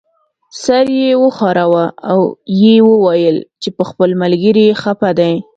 سر یې وښوراوه او یې وویل چې په خپل ملګري خپه دی.